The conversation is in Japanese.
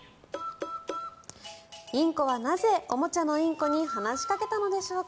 インコはなぜおもちゃのインコに話しかけたのでしょうか。